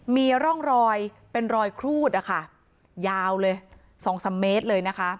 มีร่องรอยเป็นรอยครูดนะคะยาวเลย๒๓เมตรเลยนะคะ